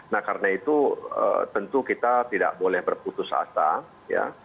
nah karena itu tentu kita tidak boleh berputus asa